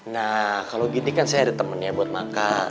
nah kalau gini kan saya ada temennya buat makan